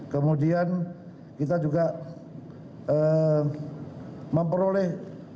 kemudian kita juga memperoleh